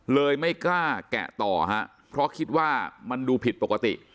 ไม่กล้าแกะต่อฮะเพราะคิดว่ามันดูผิดปกติ